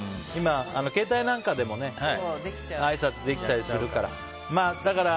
今、携帯なんかでもあいさつできたりするから。